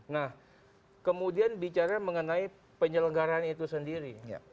nah kemudian bicara mengenai penyelenggaran itu sendiri